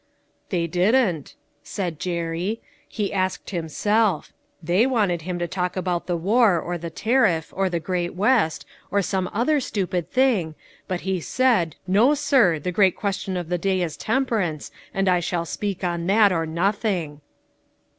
" They didn't," said Jerry. " He asked him self ; they wanted him to talk about the war, or the tariff, or the great West, or some other stupid thing, but he said, ' No, sir ! the great question of the day is temperance, and I shall speak on that, or nothing!'"